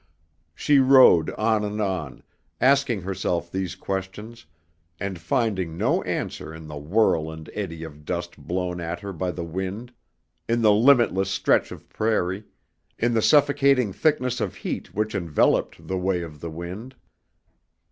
She rode on and on, asking herself these questions and finding no answer in the whirl and eddy of dust blown at her by the wind, in the limitless stretch of prairie, in the suffocating thickness of heat which enveloped the way of the wind.